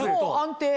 安定。